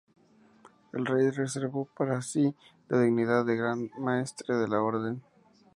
El rey reservó para sí la dignidad de gran maestre de la orden.